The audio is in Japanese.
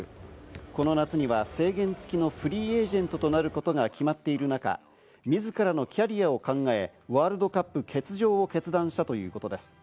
この夏には制限付きのフリーエージェントとなることが決まっている中、自らのキャリアを考え、ワールドカップ欠場を決断したということです。